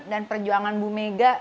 dan perjuangan bumega